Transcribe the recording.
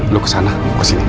lu kesana gue kesini